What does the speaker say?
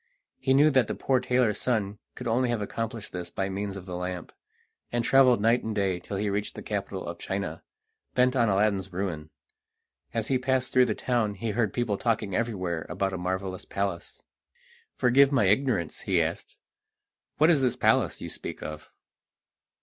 He knew that the poor tailor's son could only have accomplished this by means of the lamp, and travelled night and day till he reached the capital of China, bent on Aladdin's ruin. As he passed through the town he heard people talking everywhere about a marvellous palace. "Forgive my ignorance," he asked, "what is this palace you speak of?"